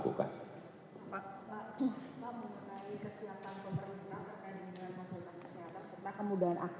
pak pak mengenai kesihatan pemerintah terkait dengan masyarakat